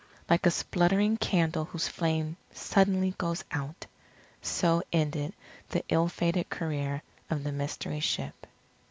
Like a spluttering candle whose flame suddenly goes out, so ended the ill fated career of the Mystery Ship.